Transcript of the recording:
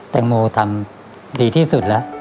แตงโมทำดีที่สุดแล้ว